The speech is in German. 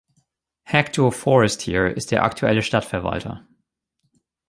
Hector Forestier ist der aktuelle Stadtverwalter.